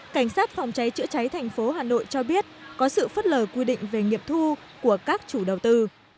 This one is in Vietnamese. cảnh sát phòng cháy chữa cháy thành phố hà nội cho biết có sự phất lờ quy định về nghiệp thu của các chủ đầu tư